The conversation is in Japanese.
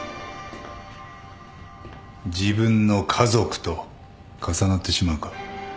自分の家族と重なってしまうか？